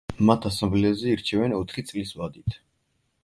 მათ ასამბლეაზე ირჩევენ ოთხი წლის ვადით.